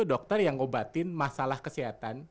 dokter yang ngobatin masalah kesehatan